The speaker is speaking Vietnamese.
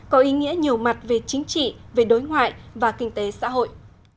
có ý nghĩa nhiều mặt về chính trị về đối ngoại và kinh tế xã hội